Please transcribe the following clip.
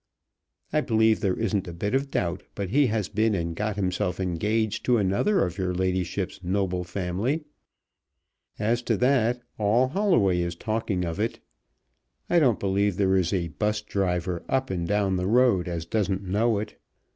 I believe there isn't a bit of doubt but he has been and got himself engaged to another of your ladyship's noble family. As to that, all Holloway is talking of it. I don't believe there is a 'bus driver up and down the road as doesn't know it.